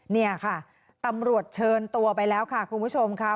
เนี่ยค่ะตำรวจเชิญตัวไปแล้วค่ะคุณผู้ชมค่ะ